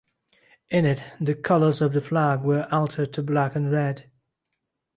In it, the colors of the flag were altered to black and red.